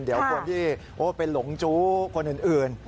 เดี๋ยวคนที่เป็นหลงจู้คนอื่น